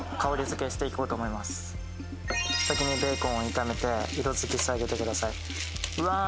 先にベーコンを炒めて色づけしてあげてください。